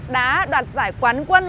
đã đạt giải quán quân